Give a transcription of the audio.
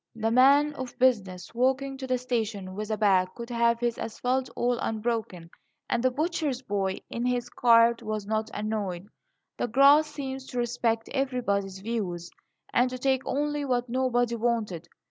The man of business walking to the station with a bag could have his asphalte all unbroken, and the butcher's boy in his cart was not annoyed. The grass seemed to respect everybody's views, and to take only what nobody wanted.